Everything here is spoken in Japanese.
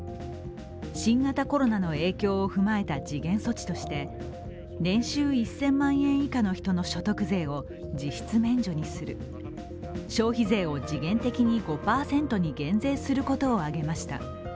新型コロナの影響を踏まえた時限措置として年収１０００万円以下の人の所得税を実質免除する、消費税を時限的に５％に減税することなどをあげました。